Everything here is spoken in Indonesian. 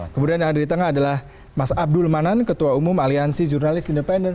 kemudian yang ada di tengah adalah mas abdul manan ketua umum aliansi jurnalis independen